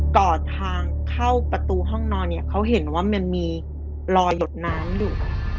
อดทางเข้าประตูห้องนอนเนี่ยเขาเห็นว่ามันมีรอยหลดน้ำอยู่